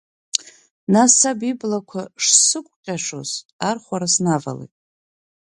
Нас, саб иблақәа шсыкәҟьашоз, архәара снавалеит.